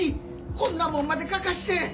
こんなもんまで書かせて！